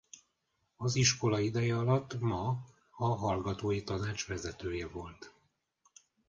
Az iskola ideje alatt Ma a hallgatói tanács vezetője volt.